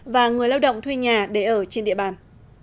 và người lao động thuê nhà để ở trên địa bàn